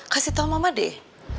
kasih tau mama deh